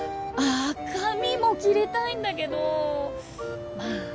あぁ髪も切りたいんだけどまあ